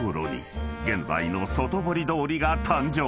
［現在の外堀通りが誕生］